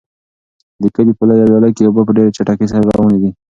د کلي په لویه ویاله کې اوبه په ډېرې چټکۍ سره روانې دي.